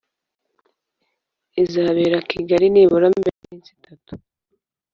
Izabera I Kigali nibura mbere y’ iminsi itatu